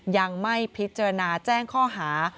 ยังไม่พิจารณาแจ้งข้อหา